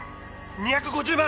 ２５０万！